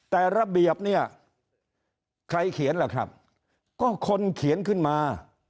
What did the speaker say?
แต่ระเบียบเนี่ยใครเขียนล่ะครับก็คนเขียนขึ้นมา